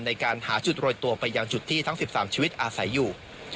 ในการหาจุดโรยตัวไปยังจุดที่ทั้ง๑๓ชีวิตอาศัยอยู่